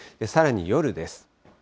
さらに夜です。